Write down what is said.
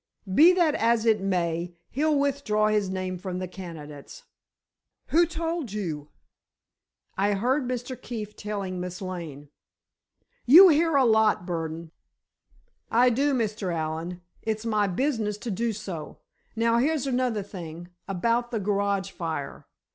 "Be that as it may, he'll withdraw his name from the candidates." "Who told you?" "I heard Mr. Keefe telling Miss Lane." "You hear a lot, Burdon." "I do, Mr. Allen. It's my business to do so. Now, here's another thing. About that garage fire."